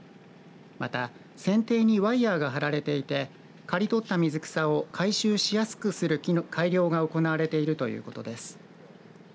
また船底にワイヤーが張られていて刈り取った水草を回収しやすくする改良が行われているということです。